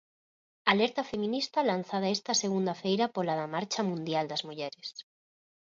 Alerta feminista lanzada esta segunda feira pola da Marcha Mundial das Mulleres.